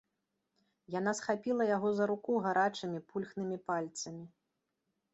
Яна схапіла яго за руку гарачымі пульхнымі пальцамі.